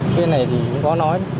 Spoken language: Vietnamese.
cái này thì không có nói